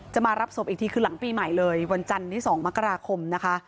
จะมารับศพกับมาอีกทีเขื่อฝั่งปีใหม่เลยวันจันทร์๒มกราคม